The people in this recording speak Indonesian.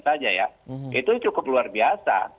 saja ya itu cukup luar biasa